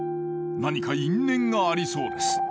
何か因縁がありそうです。